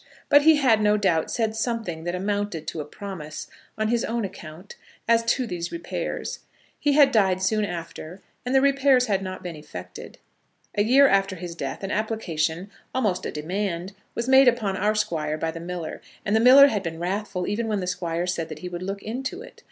But he had, no doubt, said something that amounted to a promise on his own account as to these repairs. He had died soon after, and the repairs had not been effected. A year after his death an application, almost a demand, was made upon our Squire by the miller, and the miller had been wrathful even when the Squire said that he would look into it.